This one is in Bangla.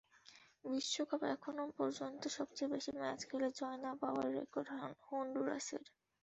বিশ্বকাপে এখনো পর্যন্ত সবচেয়ে বেশি ম্যাচ খেলে জয় না পাওয়ার রেকর্ড হন্ডুরাসের।